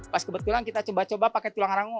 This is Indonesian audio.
pas kebetulan kita coba coba pakai tulang rangu